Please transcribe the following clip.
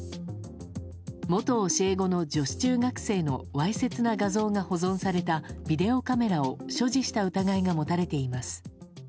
元教え子の女子中学生のわいせつな画像が保存されたビデオカメラを所持した疑いが持たれています。